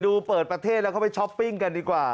เปิดประเทศแล้วเขาไปช้อปปิ้งกันดีกว่า